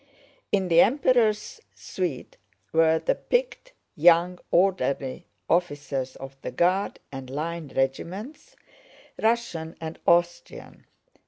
In the Emperors' suite were the picked young orderly officers of the Guard and line regiments, Russian and Austrian.